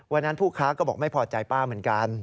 ผู้ค้าก็บอกไม่พอใจป้าเหมือนกัน